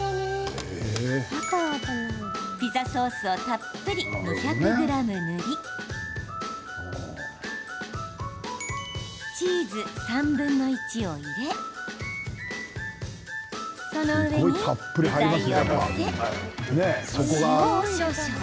ピザソースをたっぷり２００ｇ塗りチーズ３分の１を入れその上に具材を載せ塩を少々。